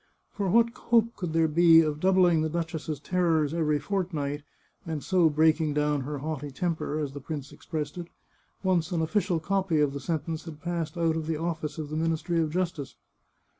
For what hope could there be of doubling the duchess's terrors every fortnight, and so breaking down her haughty temper, as the prince expressed it, once an official copy of the sentence had passed out of the office of the Ministry of Justice?